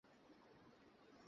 শরীর গরম হলে, রক্তক্ষরণে মরবে।